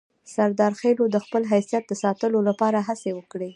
سردارخېلو د خپل حیثیت د ساتلو لپاره هڅې وکړې.